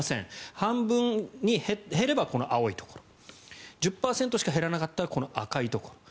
半分に減れば青いところ１０％しか減らないとこの赤いところ。